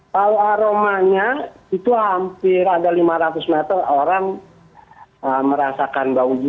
kalau aromanya itu hampir ada lima ratus meter orang merasakan bauji